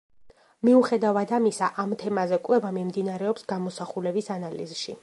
მიუხედავად ამისა ამ თემაზე კვლევა მიმდინარეობს გამოსახულების ანალიზში.